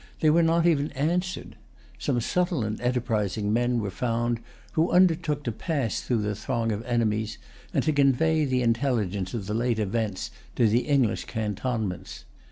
They were not even answered. Some subtle and enterprising men were found who undertook to pass through the throng of enemies, and to convey the intelligence of the late events to the English cantonments.